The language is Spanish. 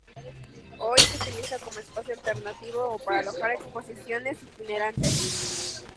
Hoy se utiliza como espacio alternativo o para alojar exposiciones itinerantes.